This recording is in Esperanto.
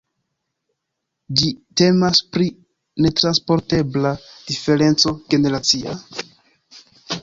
Ĉu temas pri netranspontebla diferenco generacia?